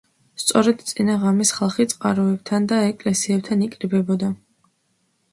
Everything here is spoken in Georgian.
სწორედ წინა ღამეს ხალხი წყაროებთან და ეკლესიებთან იკრიბებოდა.